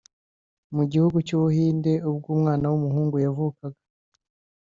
Mu gihugu cy’ubuhinde ubwo umwana w’umuhungu yavukaga